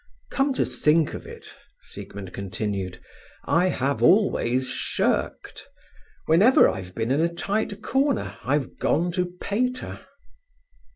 "Come to think of it," Siegmund continued, "I have always shirked. Whenever I've been in a tight corner I've gone to Pater."